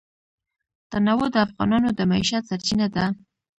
تنوع د افغانانو د معیشت سرچینه ده.